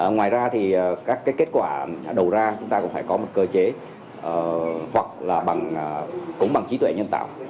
ngoài ra thì các kết quả đầu ra chúng ta cũng phải có một cơ chế hoặc là bằng cống bằng trí tuệ nhân tạo